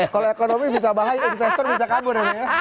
kalau ekonomi bisa bahaya investor bisa kabur